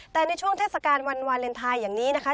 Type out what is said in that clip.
แต่ในช่วงเทศกาลวันวาเลนไทยอย่างนี้นะคะ